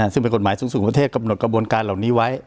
ซึ่งเป็นกฎหมายสูงประเทศกำหนดกระบวนการเหล่านี้ไว้